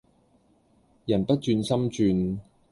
人不轉心轉